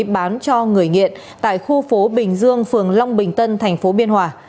bán cho người nghiện tại khu phố bình dương phường long bình tân thành phố biên hòa